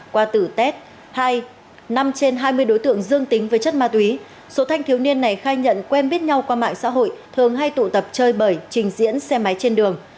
qua tử tet năm trên hai mươi đối tượng dương tính với chất ma túy số thanh thiếu niên này khai nhận quen biết nhau qua mạng xã hội thường hay tụ tập chơi bẩy trình diễn xe máy trên đường